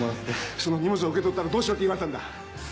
その荷物を受け取ったらどうしろと言われたんだ！？